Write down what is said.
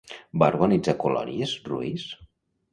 Va organitzar colònies, Ruiz?